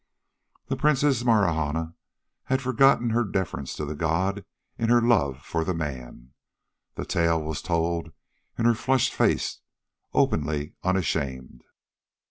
The Princess Marahna had forgotten her deference to the god in her love for the man. The tale was told in her flushed face, openly, unashamed.